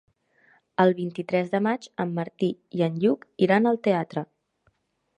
El vint-i-tres de maig en Martí i en Lluc iran al teatre.